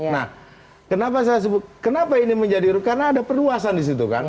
nah kenapa saya sebut kenapa ini menjadi karena ada perluasan di situ kan